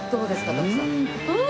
徳さん。